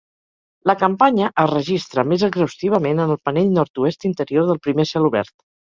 La campanya es registra més exhaustivament en el panell nord-oest interior del primer celobert.